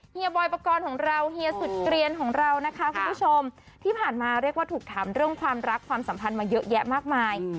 บอยปกรณ์ของเราเฮียสุดเกลียนของเรานะคะคุณผู้ชมที่ผ่านมาเรียกว่าถูกถามเรื่องความรักความสัมพันธ์มาเยอะแยะมากมาย